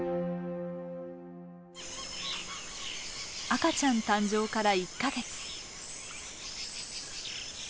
赤ちゃん誕生から１か月。